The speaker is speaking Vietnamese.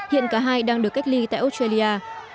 hiện cả hai đang được cách ly tại australia